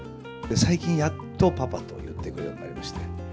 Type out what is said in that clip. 最近やっと、パパと言ってくれるようになりまして。